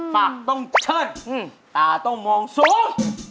ปากต้องเชิดตาต้องมองสูง